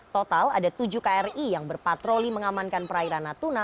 total ada tujuh kri yang berpatroli mengamankan perairan natuna